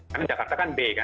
karena jakarta kan b kan